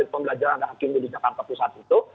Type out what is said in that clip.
pembelajaran hakim di jakarta pusat itu